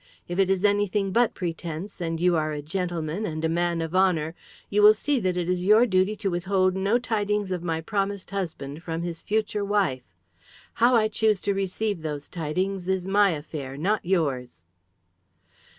If it is anything but pretence, and you are a gentlemen, and a man of honour, you will see that it is your duty to withhold no tidings of my promised husband from his future wife. How I choose to receive those tidings is my affair, not yours."